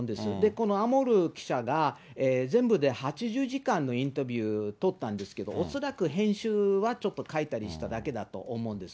このアモル記者が、全部で８０時間のインタビュー撮ったんですけど、恐らく編集は、ちょっと変えたりしただけだと思うんです。